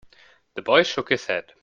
The boy shook his head.